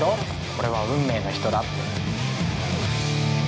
俺は運命の人だって。